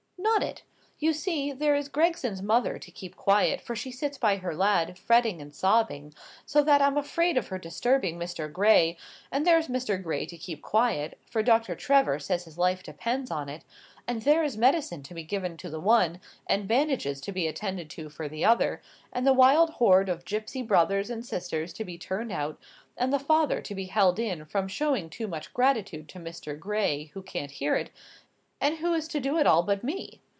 "Not it. You see, there is Gregson's mother to keep quiet for she sits by her lad, fretting and sobbing, so that I'm afraid of her disturbing Mr. Gray; and there's Mr. Gray to keep quiet, for Doctor Trevor says his life depends on it; and there is medicine to be given to the one, and bandages to be attended to for the other; and the wild horde of gipsy brothers and sisters to be turned out, and the father to be held in from showing too much gratitude to Mr. Gray, who can't hear it,—and who is to do it all but me?